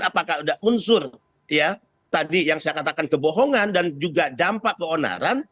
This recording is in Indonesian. apakah ada unsur ya tadi yang saya katakan kebohongan dan juga dampak keonaran